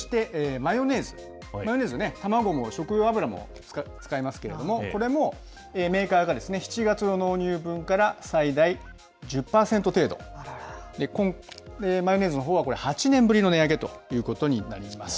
マヨネーズね、たまごも食用油も使いますけれども、これもメーカーが７月の納入分から最大１０％程度、マヨネーズのほうはこれ、８年ぶりの値上げということになります。